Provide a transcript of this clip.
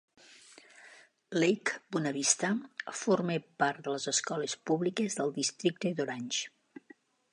Lake Buena Vista forma part de les escoles públiques del districte d'Orange.